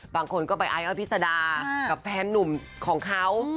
บางคนก็ไปไอ้อภิษดากับแฟนนุ่มของเขา